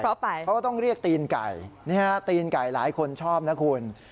เขาก็ต้องเรียกตีนไก่ตีนไก่หลายคนชอบนะคุณ